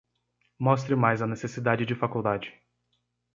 Mostre mais a necessidade de faculdade.